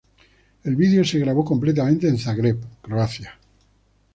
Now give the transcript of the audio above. El vídeo se grabó completamente en Zagreb, Croacia.